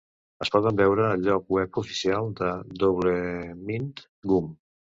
Es poden veure al lloc web oficial de Doublemint Gum.